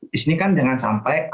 di sini kan jangan sampai